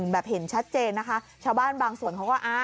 แบบเห็นชัดเจนนะคะชาวบ้านบางส่วนเขาก็อ่า